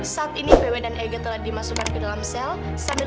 saat ini vw dan eg telah dimasukkan ke dalam sel